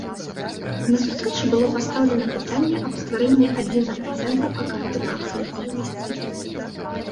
На сустрэчы было пастаўлена пытанне аб стварэнні адзінага цэнтра па каардынацыі дзейнасці.